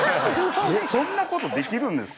そんな事できるんですか？